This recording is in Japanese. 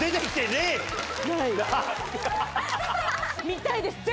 見たいです。